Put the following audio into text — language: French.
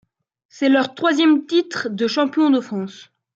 C'est leur troisième titre de champion de France.